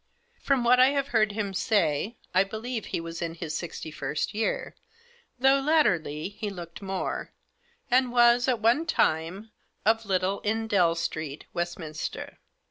From what I have heard him say, I believe he was in his sixty first year, though, latterly, he looked more, and was, at one time, of Little Endell Street, Westminster.'